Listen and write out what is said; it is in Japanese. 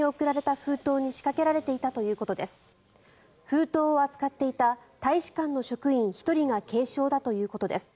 封筒を扱っていた大使館の職員１人が軽傷だということです。